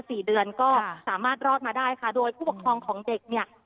สี่เดือนก็สามารถรอดมาได้ค่ะโดยผู้ปกครองของเด็กเนี่ย